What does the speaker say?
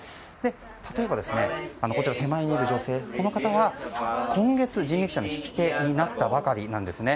例えば、手前にいる女性は今月、人力車の引き手になったばかりなんですね。